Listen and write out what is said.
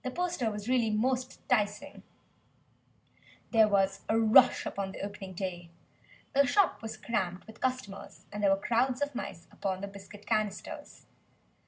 The poster really was most 'ticing. There was a rush upon the opening day. The shop was crammed with customers, and there were crowds of mice upon the biscuit canisters.